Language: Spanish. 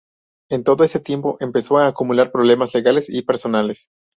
En todo ese tiempo, empezó a acumular problemas legales y personales.